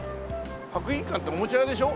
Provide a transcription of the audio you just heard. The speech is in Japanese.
博品館っておもちゃ屋でしょ？